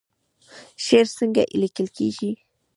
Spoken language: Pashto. شعر څنګه لیکل کیږي؟